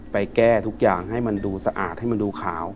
แก้ทุกอย่างให้มันดูสะอาดให้มันดูขาว